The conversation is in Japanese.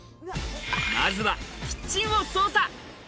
まずはキッチンを捜査。